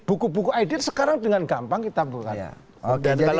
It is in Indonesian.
buku buku edit sekarang dengan gampang kita buat